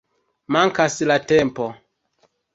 Mankas la tempo.